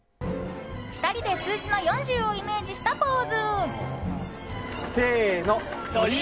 ２人で数字の「４０」をイメージしたポーズ。